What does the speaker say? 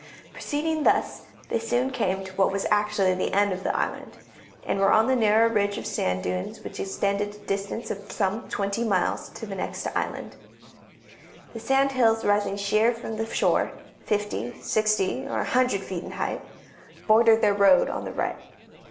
Proceeding thus, they soon came to what was actually the end of the island, and were on the narrow ridge of sand dunes which extended a distance of some twenty miles to the next island. The sand hills rising sheer from the shore, fifty, sixty, or a hundred feet in height, bordered their road on the right.